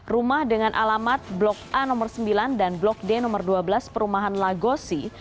rumah dengan alamat blok a nomor sembilan dan blok d nomor dua belas perumahan lagosi